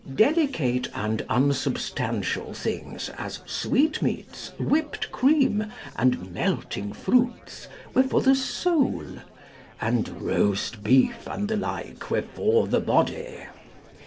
Delicate and unsubstantial things, as sweetmeats, whipped cream, and melting fruits, were for the soul, and roast beef and the like were for the body.